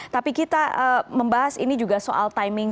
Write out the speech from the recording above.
tapi kita membahas ini juga soal timing